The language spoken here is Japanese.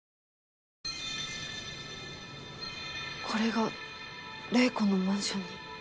これが玲子のマンションに？